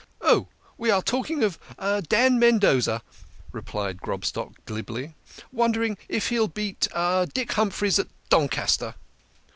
" Oh, we are talking of Dan Mendoza," replied Grobstock glibly ;" wondering if he'll beat Dick Humphreys at Don caster."